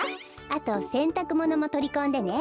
あとせんたくものもとりこんでね。